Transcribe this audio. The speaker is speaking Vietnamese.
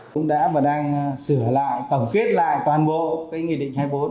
chúng tôi đã và đang sửa lại tổng kết lại toàn bộ cái nghị định hai mươi bốn